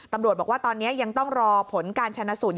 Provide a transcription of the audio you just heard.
ตำรวจบอกว่าตอนนี้ยังต้องรอผลการชนะสูตร